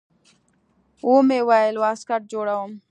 ومې ويل واسکټ جوړوم.